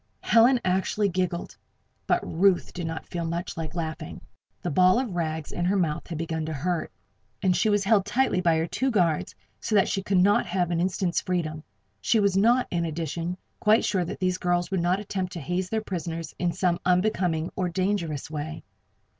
Helen actually giggled. But Ruth did not feel much like laughing. The ball of rags in her mouth had begun to hurt her, and she was held tightly by her two guards so that she could not have an instant's freedom. She was not, in addition, quite sure that these girls would not attempt to haze their prisoners in some unbecoming, or dangerous, way.